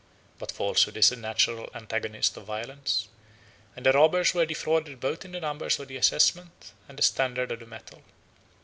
But falsehood is the natural antagonist of violence; and the robbers were defrauded both in the numbers of the assessment and the standard of the metal.